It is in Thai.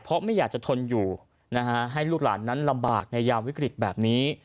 เพราะไม่อยากจะทนอยู่นะฮะให้ลูกหลานนั้นลำบากในยามวิกฤตแบบนี้